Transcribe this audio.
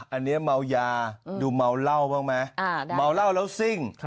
อันนี้เมายาดูเมาเหล้าบ้างไหมเมาเหล้าแล้วซิ่ง